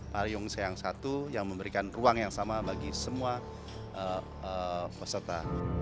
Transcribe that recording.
payung yang satu yang memberikan ruang yang sama bagi semua peserta